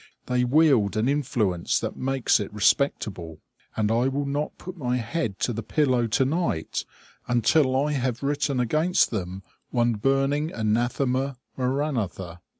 They wield an influence that makes it respectable, and I will not put my head to the pillow to night until I have written against them one burning anathema maranatha!